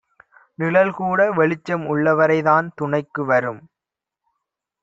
நிழல் கூட வெளிச்சம் உள்ளவரைதான் துணைக்கு வரும்.